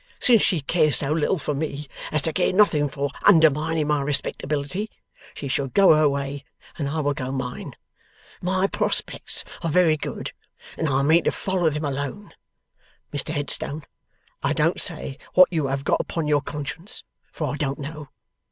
Since she cares so little for me as to care nothing for undermining my respectability, she shall go her way and I will go mine. My prospects are very good, and I mean to follow them alone. Mr Headstone, I don't say what you have got upon your conscience, for I don't know.